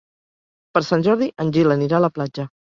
Per Sant Jordi en Gil anirà a la platja.